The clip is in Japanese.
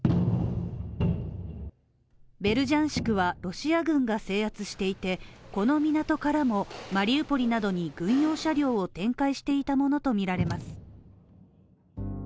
ベルジャンスクはロシア軍が制圧していてこの港からもマリウポリなどに軍用車両を展開していたものとみられます。